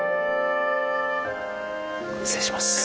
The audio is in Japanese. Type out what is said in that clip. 失礼します。